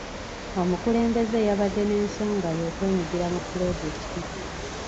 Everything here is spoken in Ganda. Omukulembeze yabadde n'ensonga ye okwenyigira mu pulojekiti.